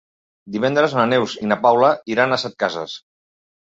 Divendres na Neus i na Paula iran a Setcases.